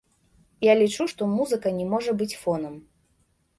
Я лічу, што музыка не можа быць фонам.